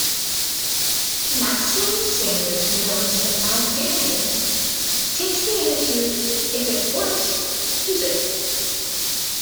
Maxine Sanders notes that Alexandrians take the attitude "If it works use it".